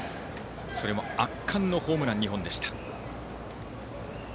圧巻のホームラン２本でした。